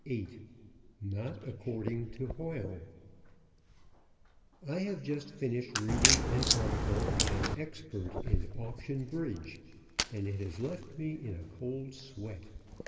VIII NOT ACCORDING TO HOYLE I have just finished reading an article by an expert in auction bridge, and it has left me in a cold sweat.